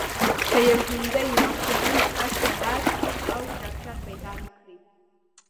که یو هندی روغتیايي مرکز ته لاړ شي ډاکټر پیدا نه کړي.